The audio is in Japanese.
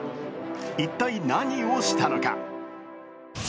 一体何をしたのか。